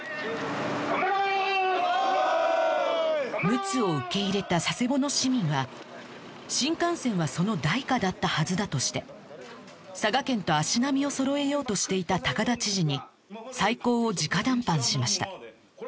「むつ」を受け入れた佐世保の市民は新幹線はその代価だったはずだとして佐賀県と足並みをそろえようとしていた高田知事に再考を直談判しました